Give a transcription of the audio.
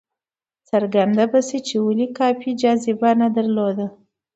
څرګنده به شي چې ولې کافي جاذبه نه درلوده.